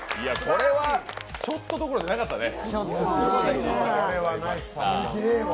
これはちょっとどころじゃなかったね。